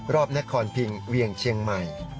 รอบนครพิงเวียงเชียงใหม่